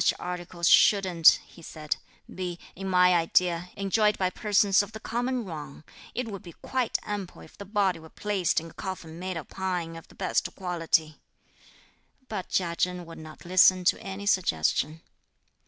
"Such articles shouldn't," he said, "be, in my idea, enjoyed by persons of the common run; it would be quite ample if the body were placed in a coffin made of pine of the best quality." But Chia Chen would not listen to any suggestion.